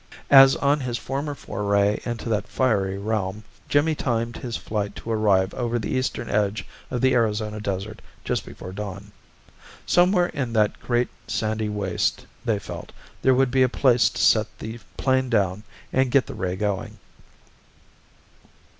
As on his former foray into that fiery realm, Jimmy timed his flight to arrive over the eastern edge of the Arizona desert just before dawn. Somewhere in that great sandy waste, they felt, there would be a place to set the plane down and get the ray going.